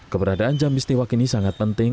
keberadaan jam istiwa kini sangat penting